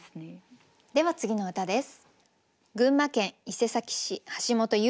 では次の歌です。